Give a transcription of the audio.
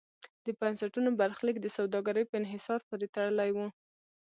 د بنسټونو برخلیک د سوداګرۍ په انحصار پورې تړلی و.